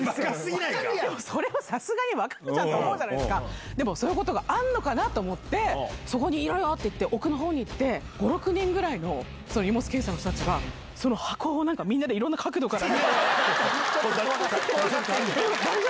それはさすがに分かるじゃんと思うじゃないですか、でもそういうことがあるのかなと思って、そこにいろよって言って、奥のほうに行って、５、６人ぐらいの荷物検査の人たちが、その箱を何かみんなでいろんな角度から。